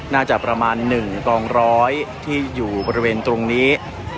น่าจะประมาณ๑กองร้อยที่อยู่บริเวณตรงนี้